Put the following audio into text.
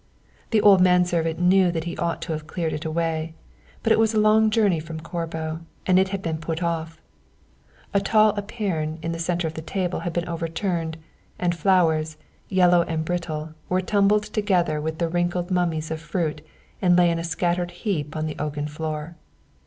The old manservant knew that he ought to have cleared it away, but it was a long journey from Corbo, and it had been put off. A tall epergne in the centre of the table had been overturned, and flowers, yellow and brittle, were tumbled together with the wrinkled mummies of fruit, and lay in a scattered heap on the oak floor.